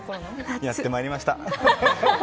やってまいりました。